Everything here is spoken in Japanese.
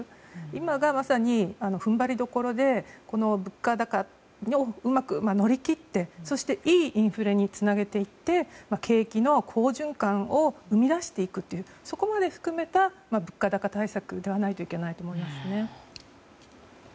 今がまさに踏ん張りどころで物価高をうまく乗り切っていいインフレにつなげていって景気の好循環を生み出していくというそこまで含めた物価高対策を行わないといけないと思います。